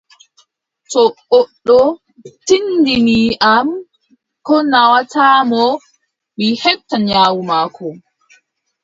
To goddo tinndini am ko naawata mo, mi heɓtan nyawu maako.